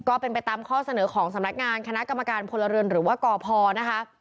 ก็เป็นไปตามข้อเสนอของสำนักงานคณะกรรมการพลเรือนหรือว่ากพนะคะ